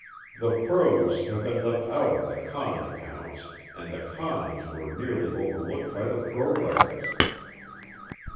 The pros have been left out of the con accounts, and the cons were neatly overlooked by the pro writers.